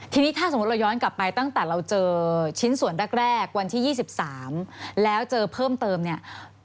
ทีนี้ถ้าสมมุติเราย้อนกลับไปตั้งแต่เราเจอชิ้นส่วนแรกวันที่๒๓แล้วเจอเพิ่มเติมเนี่ย